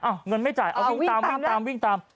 อ้าวเงินไม่จ่ายเอาตรงตาม